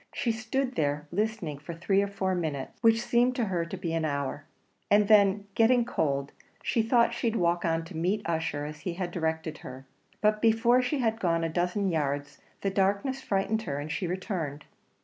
She stood there, listening for three or four minutes, which seemed to her to be an hour, and then getting cold, she thought she'd walk on to meet Ussher as he had directed her; but before she had gone a dozen yards the darkness frightened her, and she returned.